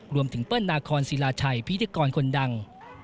รวมถึงเปิ้ลนาคอนซีลาชัยพิธีกรคนดัง